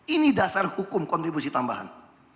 ini dasar hukum kontribusi tambahan